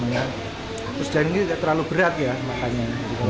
terus janggi tidak terlalu berat ya makannya